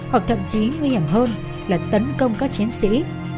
hoặc thậm chí nguy hiểm hơn là tấn công các chiến sĩ